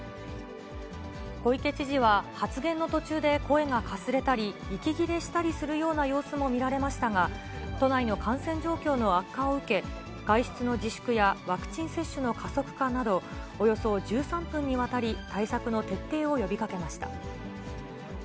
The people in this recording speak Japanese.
小池知事は発言の途中で声がかすれたり、息切れしたりする様子も見られましたが、都内の感染状況の悪化を受け、外出の自粛やワクチン接種の加速化など、およそ１３分にわたり、対策の徹底を呼びかけました。